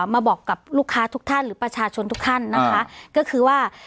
มาบอกกับลูกค้าทุกท่านหรือประชาชนทุกท่านนะคะก็คือว่า